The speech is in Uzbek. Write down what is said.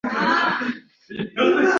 Chunki har kim xato qiladi, har kim adashadi.